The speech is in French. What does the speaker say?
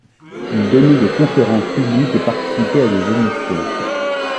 Il donnait des conférences publiques et participait à des émissions.